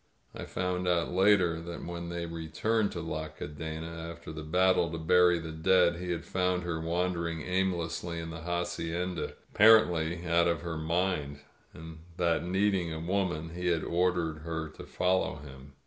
'' I found out later that when they returned to La Cadena after the battle to bury the dead he had found her wandering aimlessly in the hacienda, ap parently out of her mind ; and that, needing a woman, he had ordered her to follow him.